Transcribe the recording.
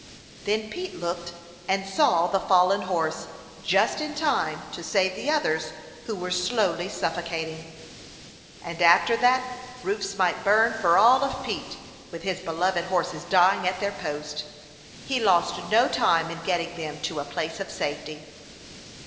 Then Pete looked and saw the fallen horse just in time to save the others, who were slowly suffocating. And after that roofs 262 A FIRE DOG OF NEW YORK might burn for all of Pete, with his beloved horses dying at their post. He lost no time in getting them to a place of safety.